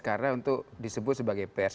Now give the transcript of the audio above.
karena untuk disebut sebagai pers